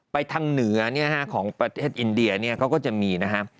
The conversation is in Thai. ไปทางเหนือของประเทศอินเดียเขาก็จะมีนะครับ